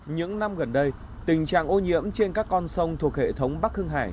những năm gần đây tình trạng ổn nhiễm trên các con sông thuộc hệ thống bắc hương hải